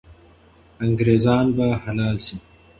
انګریزان به حلال سي.